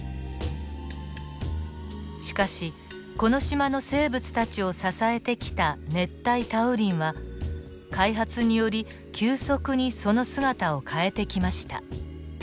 しかしこの島の生物たちを支えてきた熱帯多雨林は開発により急速にその姿を変えてきました。